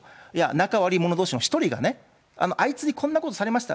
仲悪い者どうしの１人がね、あいつにこんなことをされました。